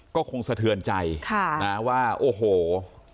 ก็คงสะเทือนใจว่าโอ้โหค่ะ